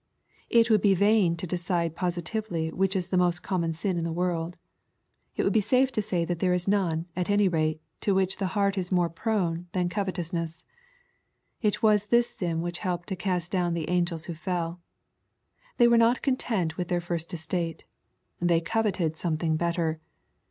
'' It would be vain to decide positively which is the most common sin in the world. It would be safe to say that there is none, at any rate, to which the heart is more prone, than covetousness. It was this sin which helped to cast down the angels who fell. They were not content with their first estate. They coveted something better.